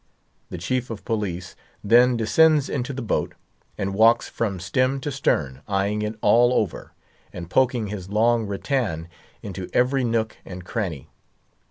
The chief of police then descends into the boat, and walks from stem to stern, eyeing it all over, and poking his long rattan into every nook and cranny.